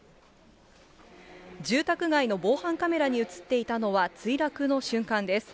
住宅街の防犯カメラに写っていたのは、墜落の瞬間です。